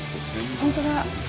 本当だ。